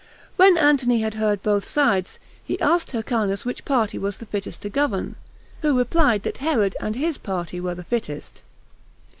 When Antony had heard both sides, he asked Hyrcanus which party was the fittest to govern, who replied that Herod and his party were the fittest.